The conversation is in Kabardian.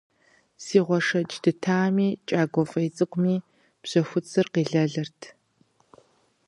Си гъуэншэдж дытами, кӀагуэ фӀей цӀыкӀуми бжьэхуцыр къилэлырт.